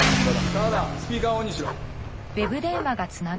多和田スピーカーをオンにしろ。